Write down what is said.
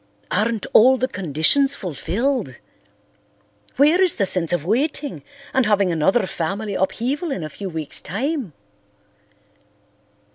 Aren't all the conditions fulfilled? Where is the sense of waiting and having another family upheaval in a few weeks' time?"